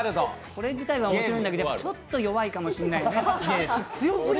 これ自体はおもしろいんだけどちょっと弱いかもしれないね。